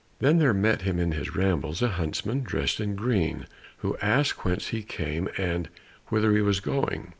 Then there met him in his rambles a huntsman dressed in green, who asked whence he came and whither he was going?